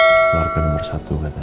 keluarga nomor satu katanya